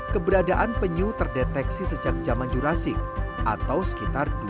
keberadaan penyu terdeteksi sejak zaman jurasik atau sekitar dua ratus juta tahun lalu